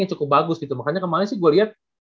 yang cukup bagus gitu makanya kemarin sih gua liat